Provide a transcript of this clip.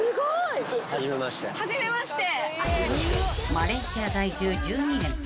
［マレーシア在住１２年